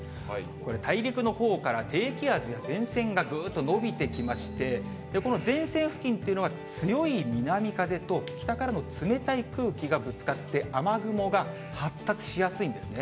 これ、大陸のほうから低気圧や前線がぐーっと伸びてきまして、この前線付近というのは強い南風と北からの冷たい空気がぶつかって、雨雲が発達しやすいんですね。